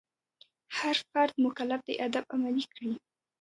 هر فرد مکلف دی آداب عملي کړي.